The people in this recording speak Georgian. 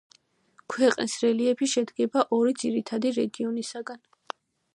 ქვეყნის რელიეფი შედგება ორი ძირითადი რეგიონისაგან.